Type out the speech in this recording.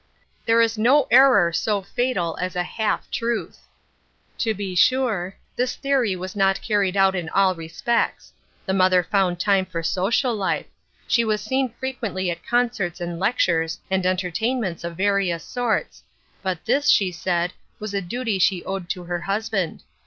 There is no error so fatal as a half truth. To The Baptism of Suffering, 411 be sure, tliis theory was not carried out in all respects. The mother found time for social life. She was seen frequently at concerts and lectures, and entertainments of various sorts, but this, she said, was a duty she owed to her husband.